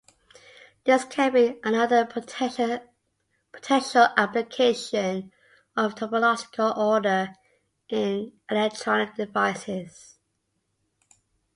This can be another potential application of topological order in electronic devices.